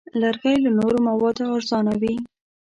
لرګی له نورو موادو ارزانه وي.